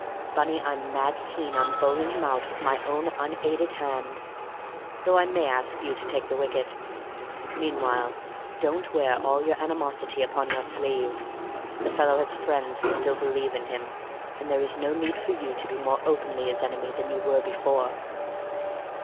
Bunny, I'm mad keen on bowling him out with my own unaided hand—though I may ask you to take the wicket. Meanwhile, don't wear all your animosity upon your sleeve; the fellow has friends who still believe in him; and there is no need for you to be more openly his enemy than you were before."